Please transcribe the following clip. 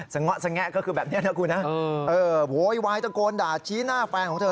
สงะสงะก็คือแบบนี้นะครับคุณฮะโหยวายตะโกนด่าชี้หน้าแฟนของเธอ